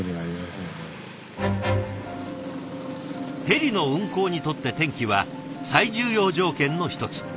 ヘリの運航にとって天気は最重要条件の一つ。